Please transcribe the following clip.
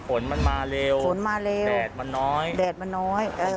ฝนมันมาเร็วแดดมันน้อยฝนมาเร็วแดดมันน้อยเออ